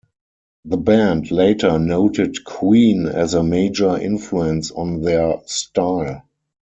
The band later noted Queen as a major influence on their style.